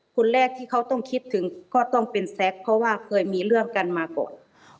คนแรกที่เขาต้องคิดถึงก็ต้องเป็นแซ็กเพราะว่าเคยมีเรื่องกันมาก่อน